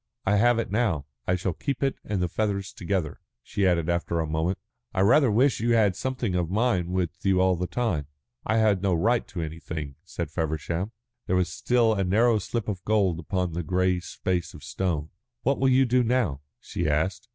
I have it now. I shall keep it and the feathers together." She added after a moment: "I rather wish that you had had something of mine with you all the time." "I had no right to anything," said Feversham. There was still a narrow slip of gold upon the grey space of stone. "What will you do now?" she asked.